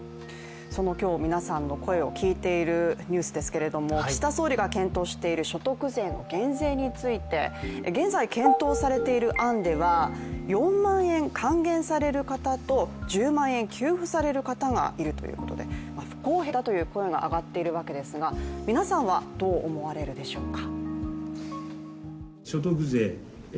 今日皆さんの声を聞いているニュースですけれども岸田総理が検討している所得税の減税について現在検討されている案では４万円還元される方と１０万円給付される方がいるということで不公平だという声が上がっているわけですが、皆さんはどう思われるでしょうか。